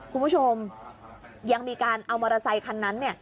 คุณผู้ชมยังมีการเอามอเตอร์ไซคันนั้น